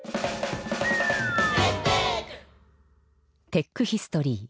テックヒストリー。